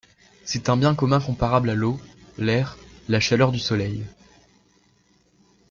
C'est un bien commun comparable à l'eau, l'air, la chaleur du soleil.